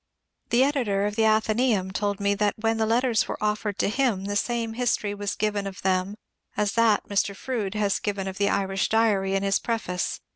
The editor of the ''Athenaeum" told me that when the letters were offered to him the same histoiy was given of them as that Mr. Froude has given of the '' Irish Diary " in his preface.